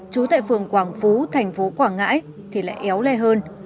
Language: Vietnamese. trú tại phường quảng phú thành phố quảng ngãi thì lại éo le hơn